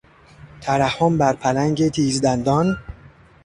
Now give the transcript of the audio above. ترحم بر پلنگ تیز دندان....